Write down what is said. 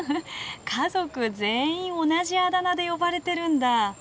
家族全員同じあだ名で呼ばれてるんだ。